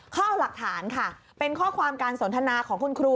เขาเอาหลักฐานค่ะเป็นข้อความการสนทนาของคุณครู